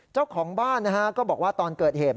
เจ้าของบ้านก็บอกว่าตอนเกิดเหตุ